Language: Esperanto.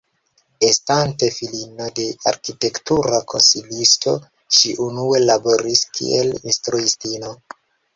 Estante filino de arkitektura konsilisto ŝi unue laboris kiel instruistino.